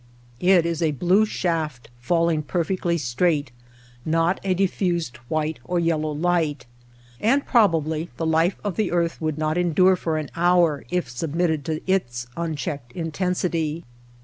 It is a blue shaft fall ing perfectly straight, not a diffused white or LIGHT, AIR, AND COLOR 79 yellow light ; and probably the life of the earth would not endure for an hour if submitted to its unchecked intensity.